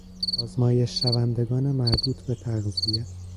آزمایش شوندگان مربوط به تغذیه